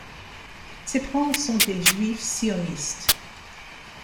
Ses parents sont des juifs sionistes.